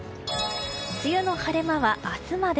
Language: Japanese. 梅雨の晴れ間は明日まで。